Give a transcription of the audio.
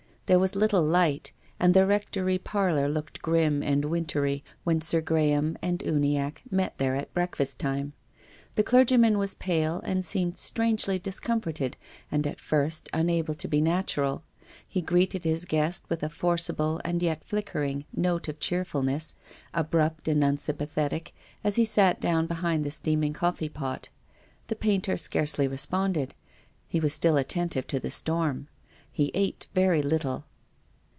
There was little light, and the Rectory parlor looked grim and wintry when Sir Graham and Uniacke met there at breakfast time. The clergy man was pale and seemed strangely discomforted and at first unable to be natural. He greeted his guest with a forcible, and yet flickering, note of cheerfulness, abrupt and unsympathetic, as he sat down behind the steaming coffee pot. The painter scarcely responded. He was still attentive to the storm. He ate very little.